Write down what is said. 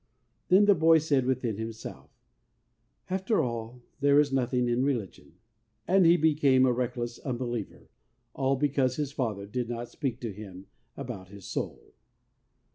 Then the boy said within himself, ' After all, there is nothing in religion,' and he became a reckless un believer, all because his father did not speak to him about his soul.